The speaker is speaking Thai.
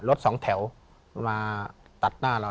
รถสองแถวมาตัดหน้าเรา